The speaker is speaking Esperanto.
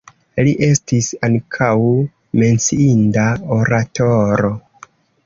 Li estis ankaŭ menciinda oratoro.